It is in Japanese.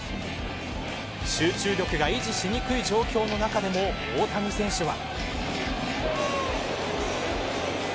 集中力が維持しにくい状況の中でも大谷選手は。